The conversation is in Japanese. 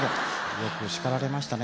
よく叱られましたね。